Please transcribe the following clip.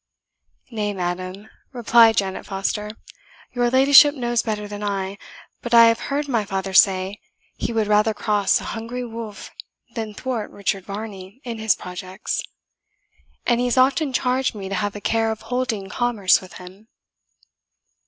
"Nay, madam," replied Janet Foster, "your ladyship knows better than I; but I have heard my father say he would rather cross a hungry wolf than thwart Richard Varney in his projects. And he has often charged me to have a care of holding commerce with him."